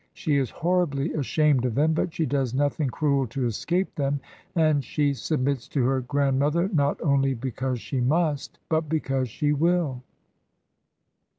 She is horribly ashamed of them, but she does nothing cruel to escape them, and she submits to her grandmother not only be cause she must, but because she will.